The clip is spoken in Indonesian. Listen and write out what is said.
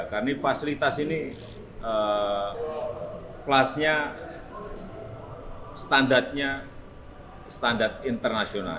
karena fasilitas ini kelasnya standarnya standar internasional